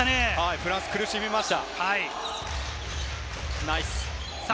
フランスは苦しみました。